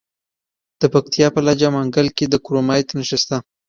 د پکتیا په لجه منګل کې د کرومایټ نښې شته.